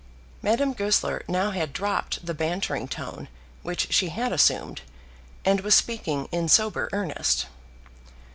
Madame Goesler now had dropped the bantering tone which she had assumed, and was speaking in sober earnest.